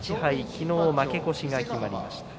昨日、負け越しが決まりました。